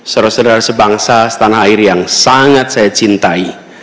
saudara saudara sebangsa setanah air yang sangat saya cintai